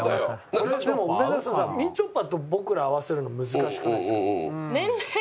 これでも梅沢さんみちょぱと僕ら合わせるの難しくないですか？